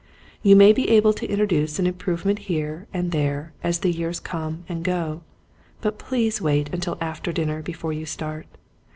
You may be able to intro duce an improvement here and there as the years come and go, but please wait until after dinner before you start.